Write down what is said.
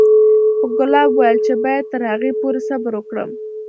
خو ګلاب وويل چې بايد تر هغې پورې صبر وکړم.